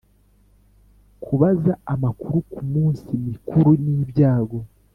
kubaza amakuru ku minsi mikuru n‘ibyago